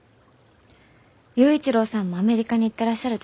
佑一郎さんもアメリカに行ってらっしゃるでしょ？